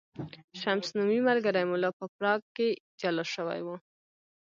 شمس نومی ملګری مو لا په پراګ کې جلا شوی و.